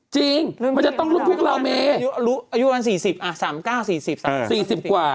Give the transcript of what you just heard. จริงมันจะต้องรุ่นพวกเราเนี่ยรู้อายุมันสี่สิบอ่ะสามเก้าสี่สิบสี่สิบกว่า